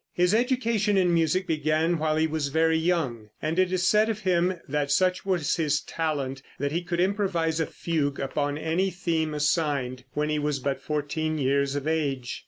His education in music began while he was very young, and it is said of him that such was his talent that he could improvise a fugue upon any theme assigned, when he was but fourteen years of age.